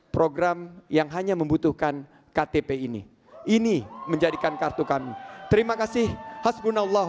program yang hanya membutuhkan ktp ini ini menjadikan kartu kami terima kasih hasbunallah